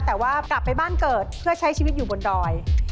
แต่ว่ากลับไปบ้านเกิดเพื่อใช้ชีวิตอยู่บนดอย